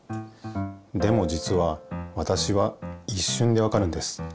でもじつはわたしはいっしゅんでわかるんです。